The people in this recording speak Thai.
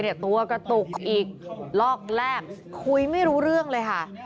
ตัวกระตุกอีกลอกแรกคุยไม่รู้เรื่องเลยค่ะ